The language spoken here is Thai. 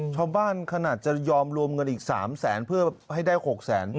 ชาวบ้านขนาดจะยอมรวมเงินอีก๓๐๐๐๐๐บาทเพื่อให้ได้๖๐๐๐๐๐บาท